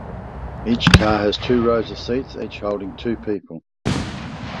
Each car has two rows of seats each holding two people.